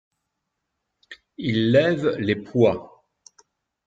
Il lève les poids.